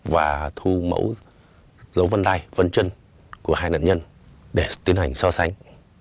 và thu mẫu dấu vân tay vân chân của hai nạn nhân để tiến hành so sánh